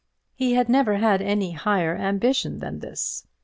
He had never had any higher ambition than this.